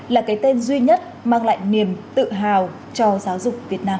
là cái tên duy nhất mang lại niềm tự hào cho giáo dục việt nam